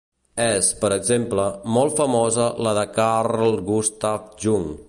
És, per exemple, molt famosa la de Carl Gustav Jung.